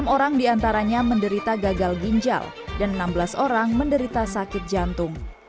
enam orang diantaranya menderita gagal ginjal dan enam belas orang menderita sakit jantung